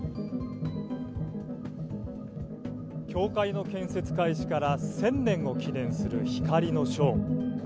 教会の建設開始から１０００年を記念する光のショー。